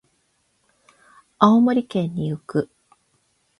青森県に行く。